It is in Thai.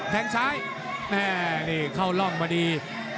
แทงซ้ายนี่เข้าร่องมาดี